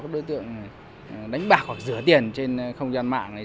các đối tượng đánh bạc hoặc rửa tiền trên không gian mạng